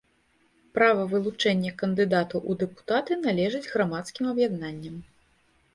Права вылучэння кандыдатаў у дэпутаты належыць грамадскім аб’яднанням.